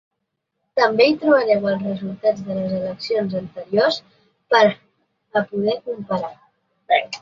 També hi trobareu els resultats de les eleccions anteriors per a poder comparar.